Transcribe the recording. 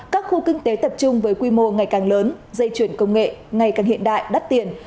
các khu kinh tế tập trung với quy mô ngày càng lớn dây chuyển công nghệ ngày càng hiện đại đắt tiền